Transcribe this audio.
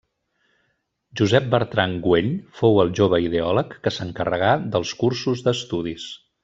Josep Bertran Güell fou el jove ideòleg que s’encarregà dels cursos d’estudis.